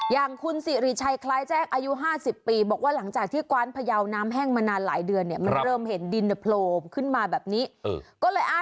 อย่างคุณสิริชัยคลายแจ้งอายุ๕๐ปี